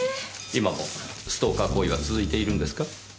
今もストーカー行為は続いているんですか？